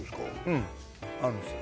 うんあるんですよ